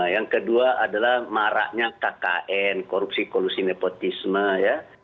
yang kedua adalah maraknya kkn korupsi kolusi nepotisme ya